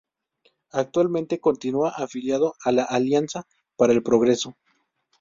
Actualmente continúa afiliado a la Alianza para el Progreso.